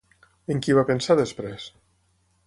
En qui va pensar després?